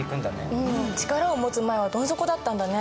うん力を持つ前はどん底だったんだね。